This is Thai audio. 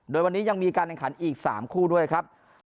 โดยวันนี้ยังมีการแข่งขันอีก๓คู่ด้วยครับ